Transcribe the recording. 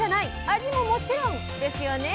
味ももちろんですよね？